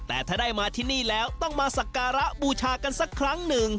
แต่ถ้าได้มาที่นี่แล้วต้องมาสักการะบูชากันสักครั้งหนึ่ง